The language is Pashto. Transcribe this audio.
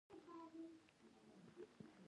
البته دپښتو پرځای په ډري ژبه خبرې کوي؟!